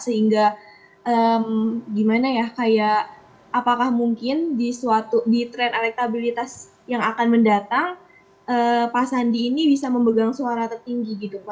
sehingga gimana ya kayak apakah mungkin di tren elektabilitas yang akan mendatang pak sandi ini bisa memegang suara tertinggi gitu